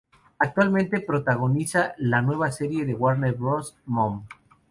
Actualmente protagoniza la nueva serie de Warner Bros Mom.